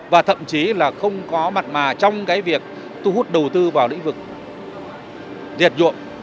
và thậm chí là không có mặt mà trong cái việc thu hút đầu tư vào lĩnh vực diệt nhuộm